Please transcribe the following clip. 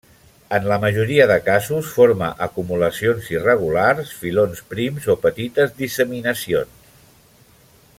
En la majoria de casos forma acumulacions irregulars, filons prims o petites disseminacions.